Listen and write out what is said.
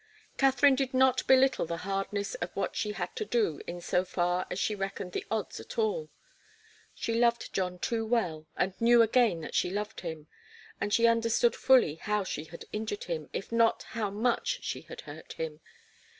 Katharine did not belittle the hardness of what she had to do in so far as she reckoned the odds at all. She loved John too well, and knew again that she loved him; and she understood fully how she had injured him, if not how much she had hurt him.